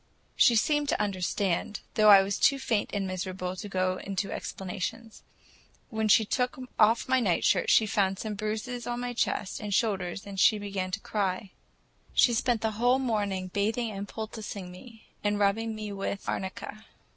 She seemed to understand, though I was too faint and miserable to go into explanations. When she took off my nightshirt, she found such bruises on my chest and shoulders that she began to cry. She spent the whole morning bathing and poulticing me, and rubbing me with arnica.